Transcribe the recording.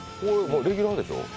レギュラーなんでしょ？